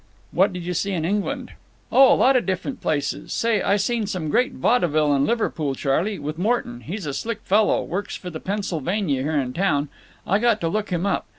"What did you see in England?" "Oh, a lot of different places. Say, I seen some great vaudeville in Liverpool, Charley, with Morton—he's a slick fellow; works for the Pennsylvania, here in town. I got to look him up.